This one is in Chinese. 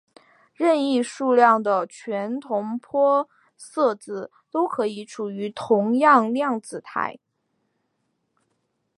任意数量的全同玻色子都可以处于同样量子态。